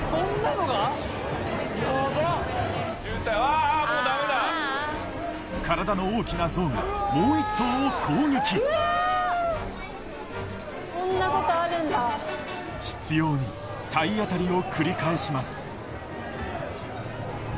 体の大きなゾウがもう１頭を攻撃執拗に体当たりを繰り返します